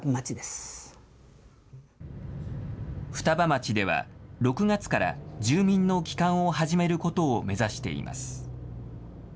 双葉町では、６月から住民の帰還を始めることを目指しています。